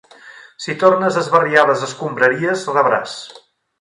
Si tornes a esbarriar les escombraries, rebràs.